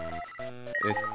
えっと